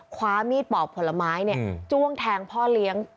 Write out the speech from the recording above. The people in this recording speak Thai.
คว้ามีดปอกผลไม้จ้วงแทงพ่อเลี้ยง